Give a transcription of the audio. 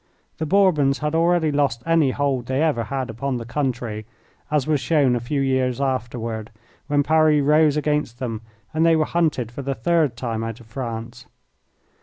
The Bourbons had already lost any hold they ever had upon the country, as was shown a few years afterward, when Paris rose against them and they were hunted for the third time out of France.